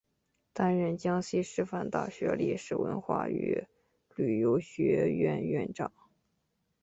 担任江西师范大学历史文化与旅游学院院长。